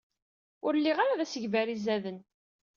Ur lliɣ ara d asegbar izaden.